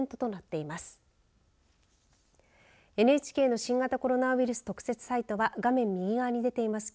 ＮＨＫの新型コロナウイルス特設サイトは画面右側に出ています